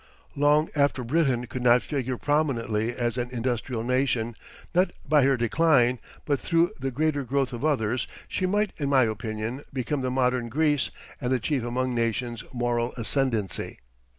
Long after Britain could not figure prominently as an industrial nation, not by her decline, but through the greater growth of others, she might in my opinion become the modern Greece and achieve among nations moral ascendancy.